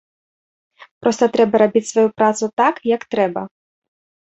Проста трэба рабіць сваю працу так, як трэба.